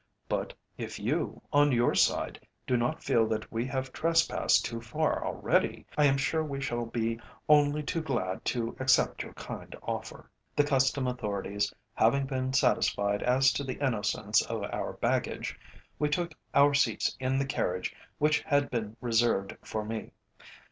"But if you, on your side, do not feel that we have trespassed too far already, I am sure we shall be only too glad to accept your kind offer." The Custom authorities having been satisfied as to the innocence of our baggage, we took our seats in the carriage which had been reserved for me.